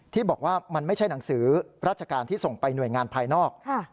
ที่บอกว่ามันไม่ใช่หนังสือราชการที่ส่งไปหน่วยงานภายนอก